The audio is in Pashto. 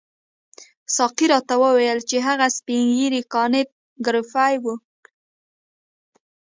ساقي راته وویل چې هغه سپین ږیری کانت ګریفي وو.